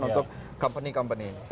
untuk perusahaan perusahaan ini